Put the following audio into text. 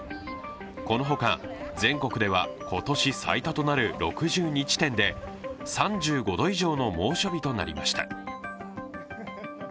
このほか、全国では今年最多となる６２地点で、３５度以上の猛暑日となりました。